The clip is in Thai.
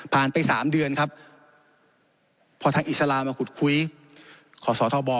ผ่านไปสามเดือนครับ